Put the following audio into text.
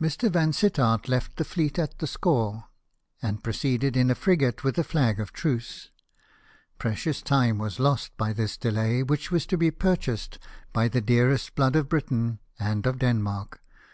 Mr. Vansittart left the fleet at the Scaw, and preceded it in a frigate, with a flag of truce. Precious time was lost by this delay, which was to be purchased by the dearest blood of Britain and of Denmark.